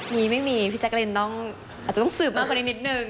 มีไม่มีพี่แจ๊กรีนอาจจะต้องสืบมากกว่านี้นิดนึง